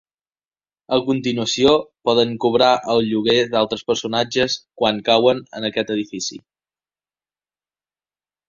A continuació, poden cobrar el lloguer d'altres personatges quan cauen en aquest edifici.